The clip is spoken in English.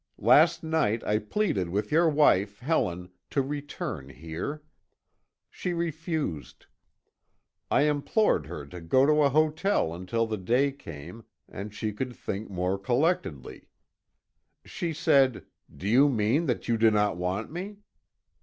Last night I pleaded with your wife, Helen, to return here. She refused. I implored her to go to a hotel until the day came, and she could think more collectedly. She said: 'Do you mean that you do not want me?'